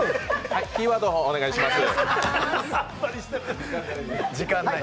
はい、キーワードの方お願いします。